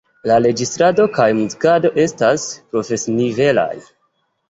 La registrado kaj muzikado estas profesinivelaj.